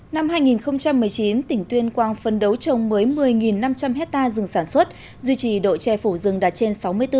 năm hai nghìn một mươi chín tỉnh tuyên quang phân đấu trồng mới một mươi năm trăm linh hectare rừng sản xuất duy trì đội tre phủ rừng đạt trên sáu mươi bốn